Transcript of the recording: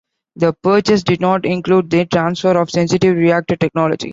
The purchase did not include the transfer of sensitive reactor technology.